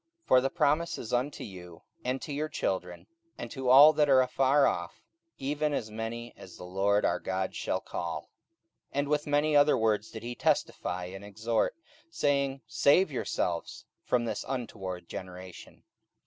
44:002:039 For the promise is unto you, and to your children, and to all that are afar off, even as many as the LORD our God shall call. 44:002:040 And with many other words did he testify and exhort, saying, Save yourselves from this untoward generation.